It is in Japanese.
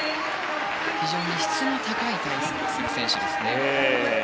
非常に質の高い体操をする選手ですね。